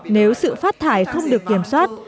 nếu sự phát thải không được kiểm soát